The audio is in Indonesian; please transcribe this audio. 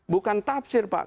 bukan tafsir pak